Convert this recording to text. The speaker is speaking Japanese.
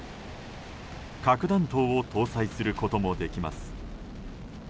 核弾頭を搭載することもできます。